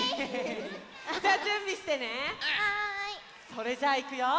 それじゃあいくよ。